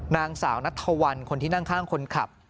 นางสาวนัทธวัลคนที่นั่งข้างคนขับ